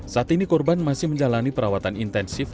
saat ini korban masih menjalani perawatan intensif